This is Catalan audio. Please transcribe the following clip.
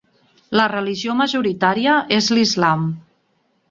La religió majoritària és l'islam.